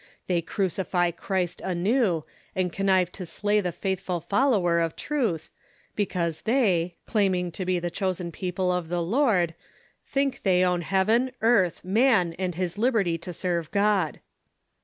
They crucify Christ anew, and connive to slay the faithful follower of truth, because they, claiming to be the chosen people of the Lord, think they own lieaven, earth, man and his lib erty to serve God.